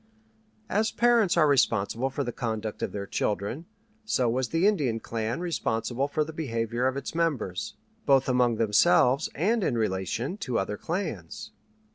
As parents are responsible for the conduct of their children, so was the Indian clan responsible for the behavior of its members, both among themselves and in relation to other clans.